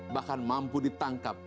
bahkan mampu ditangkap